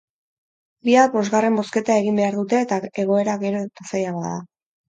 Bihar bosgarren bozketa egin behar dute eta egoera gero eta zailagoa da.